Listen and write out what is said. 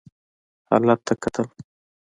حالت ته کتل.